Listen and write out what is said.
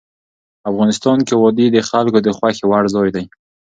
افغانستان کې وادي د خلکو د خوښې وړ ځای دی.